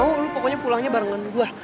oh lu pokoknya pulangnya barengan gue